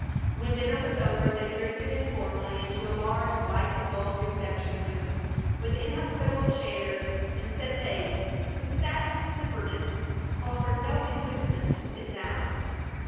When dinner was over they drifted informally into a large white and gold reception room, with inhospitable chairs and settees whose satin slipperiness offered no inducements to sit down.